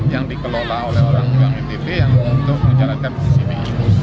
yang dikelola oleh orang bank ntt yang untuk menjalankan bisnis ini